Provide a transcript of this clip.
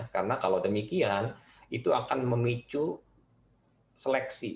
karena kalau demikian itu akan memicu seleksi